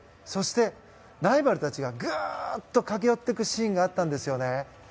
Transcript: そしてライバルたちがぐーっと駆け寄っていくシーンがあったんですよね。